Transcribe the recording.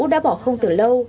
đã bỏ không từ lâu